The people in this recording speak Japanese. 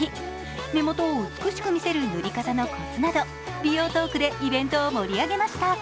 目元を美しく見せる塗り方のコツなど美容トークでイベントを盛り上げました。